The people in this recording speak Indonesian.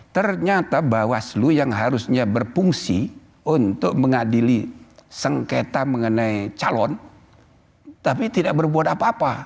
ternyata bawaslu yang harusnya berfungsi untuk mengadili sengketa mengenai calon tapi tidak berbuat apa apa